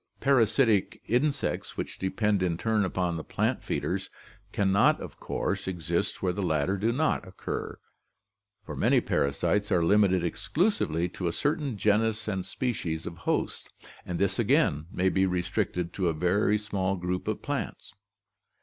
Parasitic in sects which depend in turn upon the plant feeders can not of course exist where the latter do not occur, for many parasites are limited exclusively to a certain genus and species of host, and this again may be restricted to a very small group of plants.